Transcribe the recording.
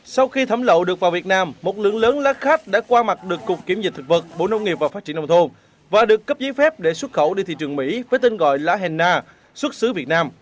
sau khi thẩm lộ được vào việt nam một lượng lớn lá khát đã qua mặt được cục kiểm dịch thực vật bộ nông nghiệp và phát triển nông thôn và được cấp giấy phép để xuất khẩu đi thị trường mỹ với tên gọi là hena xuất xứ việt nam